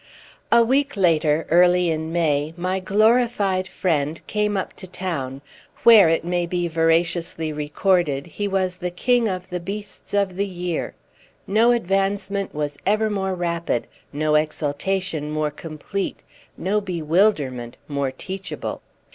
A week later, early in May, my glorified friend came up to town, where, it may be veraciously recorded he was the king of the beasts of the year. No advancement was ever more rapid, no exaltation more complete, no bewilderment more teachable.